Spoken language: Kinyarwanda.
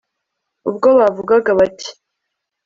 ubwo bavugaga bati